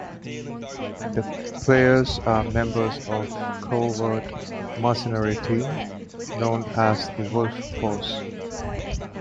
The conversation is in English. The players are members of a covert mercenary team known as the "Wolf Force".